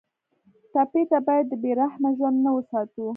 ټپي ته باید د بې رحمه ژوند نه وساتو.